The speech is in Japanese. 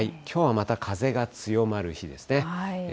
きょうはまた風が強まる日ですね。